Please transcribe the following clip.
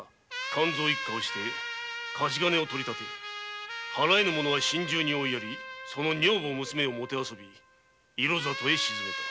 勘造一家をして貸し金を取り立て払えぬ者は心中に追いやり女房娘をもてあそび色里に沈めた。